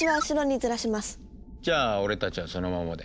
じゃあ俺たちはそのままで。